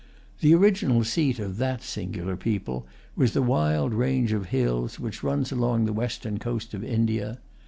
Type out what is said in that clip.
The original seat of that singular people was the wild range of hills which runs along the western coast of India.